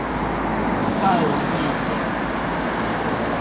看了一眼